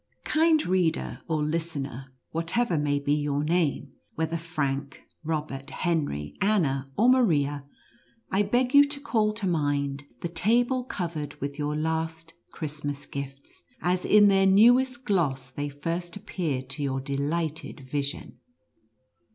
Kind reader, or listener, whatever may be your name, whether Frank, Robert, Henry, — Anna or Maria, I beg you to call to mind the table covered with your last Christmas gifts, as in their newest gloss they first appeared to your NUTCEACKEE AND MOUSE KE&TG. 11 delighted vision.